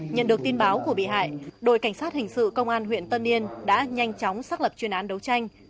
nhận được tin báo của bị hại đội cảnh sát hình sự công an huyện tân yên đã nhanh chóng xác lập chuyên án đấu tranh